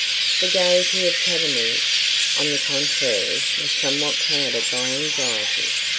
The gaiety of Cavigni, on the contrary, was somewhat clouded by anxiety.